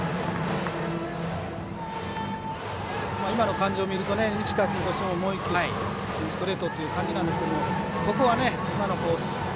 今の感じを見ると西川君としてももう１球ストレートという感じですがここは今のコース